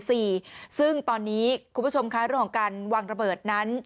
ซึ่งตอนนี้คุณผู้ชมคะเรื่องของการวางระเบิดนั้น